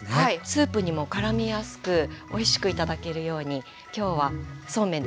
スープにもからみやすくおいしく頂けるように今日はそうめんでつけ麺にしたいと思います。